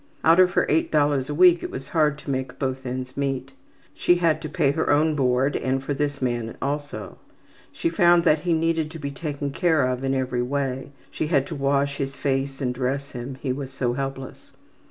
Out of her $8 a week it was hard to make both ends meet. She had to pay her own board and for this man also. She found that he needed to be taken care of in every way; she had to wash his face and dress him, he was so helpless.